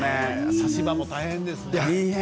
差し歯も大変です。